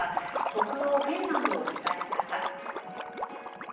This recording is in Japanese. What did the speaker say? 北欧フィンランドを取材しました。